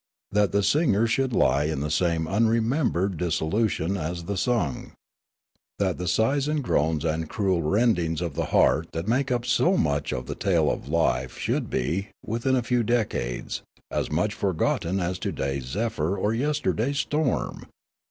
That the singer should lie in the same unremembered disso lution as the sung ! That the sighs and groans and cruel tendings of the heart that make up so much of 3IO Riallaro the tale of life should be, within a few decades, as much forgotten as to day's zeph3'r or yesterday's storm!